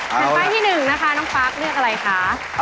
แผ่นป้ายที่๑นะคะน้องปาร์คเลือกอะไรคะ